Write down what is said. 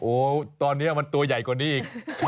โอ้โหตอนนี้มันตัวใหญ่กว่านี้อีก